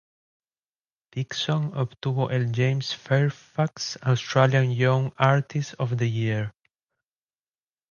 Dickson obtuvo el James Fairfax Australian Young Artist of the Year.